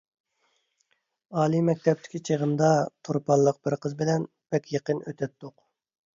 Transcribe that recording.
ئالىي مەكتەپتىكى چېغىمدا تۇرپانلىق بىر قىز بىلەن بەك يېقىن ئۆتەتتۇق.